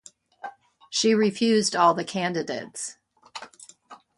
She refused all the candidates.